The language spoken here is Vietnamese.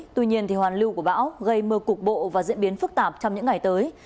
tuy nhiên hoàn lưu của bão gây mưa cục bộ và diễn biến phức tạp trong những ngày tới